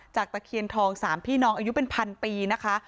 ตะเคียนทอง๓พี่น้องอายุเป็นพันปีนะคะ